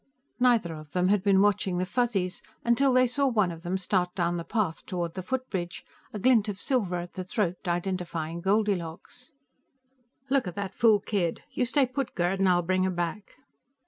Neither of them had been watching the Fuzzies, until they saw one of them start down the path toward the footbridge, a glint of silver at the throat identifying Goldilocks. "Look at that fool kid; you stay put, Gerd, and I'll bring her back."